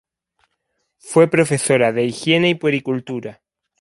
Fue profesora de higiene y puericultura.